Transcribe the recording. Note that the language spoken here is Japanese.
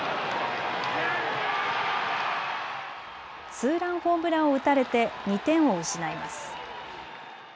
ツーランホームランを打たれて２点を失います。